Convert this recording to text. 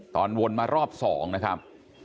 ตอนวนมารอบ๒นะครับ